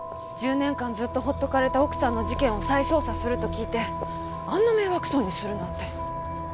１０年間ずっと放っておかれた奥さんの事件を再捜査すると聞いてあんな迷惑そうにするなんて。